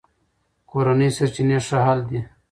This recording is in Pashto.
کورني سرچینې ښه حل دي.